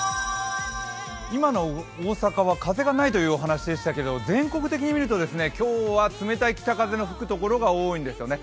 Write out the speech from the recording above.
今の大阪は風がないというお話でしたけれども、全国的に見ると今日冷たい北風の吹く所が多いんですよね。